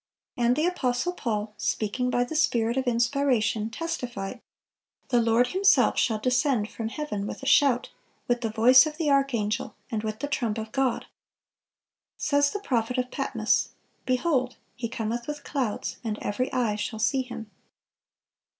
(458) And the apostle Paul, speaking by the Spirit of inspiration, testified: "The Lord Himself shall descend from heaven with a shout, with the voice of the Archangel, and with the trump of God."(459) Says the prophet of Patmos, "Behold, He cometh with clouds; and every eye shall see Him."